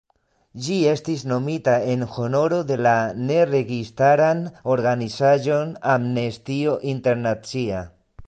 Ĝi estis nomita en honoro de la ne-registaran organizaĵon "Amnestio Internacia".